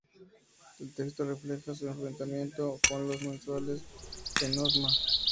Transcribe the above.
El texto refleja su enfrentamiento con los musulmanes en Osma.